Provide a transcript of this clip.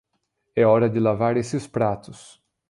É hora de lavar esses pratos.